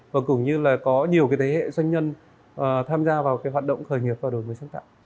và cũng như là có nhiều cái thế hệ doanh nhân tham gia vào cái hoạt động khởi nghiệp và đổi mới sáng tạo